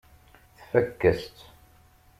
Tfakk-as-tt.